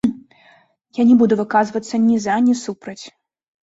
Я не буду выказвацца ні за, ні супраць.